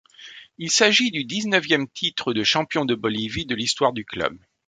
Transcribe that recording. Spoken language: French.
Il s'agit du dix-neuvième titre de champion de Bolivie de l'histoire du club.